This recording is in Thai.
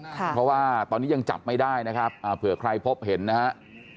เพราะว่าตอนนี้ยังจับไม่ได้นะครับเผื่อใครพบเห็นนะฮะ